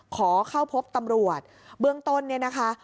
ขอเข้าพบตำรวจเบื้องต้นเนี่ยนะคะ